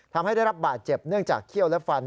ทำให้ได้รับบาดเจ็บเนื่องจากเขี้ยวและฟัน